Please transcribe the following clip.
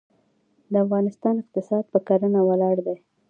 د افغانستان اقتصاد په کرنه ولاړ دی.